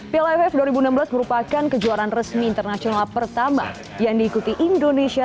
piala aff dua ribu enam belas merupakan kejuaraan resmi internasional pertama yang diikuti indonesia